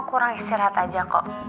kurang istirahat aja kok